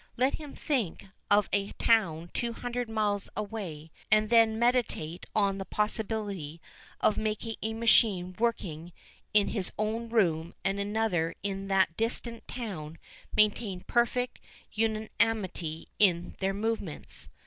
Let him think of a town two hundred miles away and then meditate on the possibility of making a machine working in his own room and another in that distant town maintain perfect unanimity in their movements.